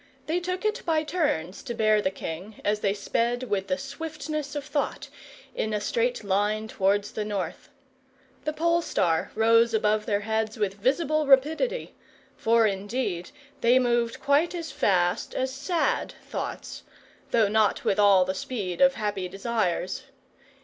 They took it by turns to bear the king, as they sped with the swiftness of thought, in a straight line towards the north. The pole star rose above their heads with visible rapidity; for indeed they moved quite as fast as sad thoughts, though not with all the speed of happy desires.